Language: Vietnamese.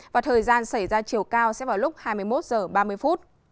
và thời gian xảy ra chiều cao sẽ vào lúc hai mươi một h ba mươi phút